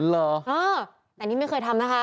เหรอเออแต่นี่ไม่เคยทำนะคะ